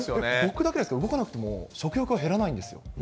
僕だけですか、動かなくても食欲は減らないんですよ。